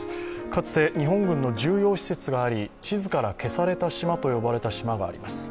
かつて日本軍の重要施設があり地図から消された島と呼ばれた島があります。